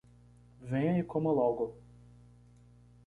Venha e coma logo